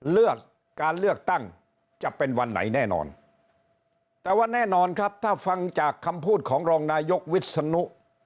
เลือกการเลือกตั้งจะเป็นวันไหนแน่นอนแต่ว่าแน่นอนครับถ้าฟังจากคำพูดของรองนายกวิศนุ